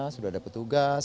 sudah ada petugas